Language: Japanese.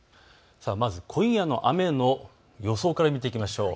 まず今夜の雨の予想から見ていきましょう。